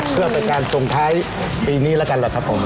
เพื่อเป็นการส่งท้ายปีนี้แล้วกันแหละครับผม